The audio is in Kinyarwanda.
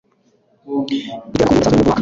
iterana ku buryo busanzwe rimwe mu mwaka